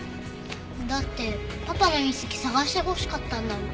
だってパパの隕石探してほしかったんだもん。